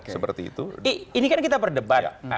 seperti itu ini kan kita berdebat